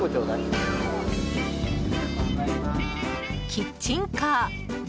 キッチンカー。